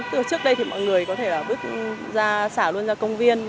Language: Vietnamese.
trước đây thì mọi người có thể bước ra xả luôn ra công viên